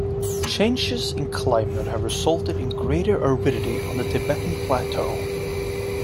Changes in climate have resulted in greater aridity on the Tibetan Plateau.